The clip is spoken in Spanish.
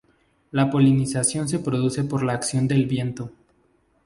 La polinización se produce por la acción del viento.